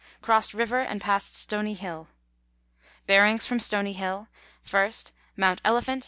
Crossed river and passed Stony Hill. Bearings from Stony Hill. 1st. Mount Elephant, S.